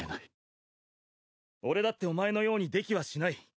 ・俺だってお前のようにできはしない。